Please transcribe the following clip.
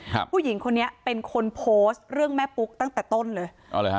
ผู้หญิงคนนี้เป็นคนโพสต์เรื่องแม่ปุ๊กตั้งแต่ต้นเลยอ๋อเหรอฮะ